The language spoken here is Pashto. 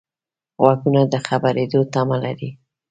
غوږونه د خبرېدو تمه لري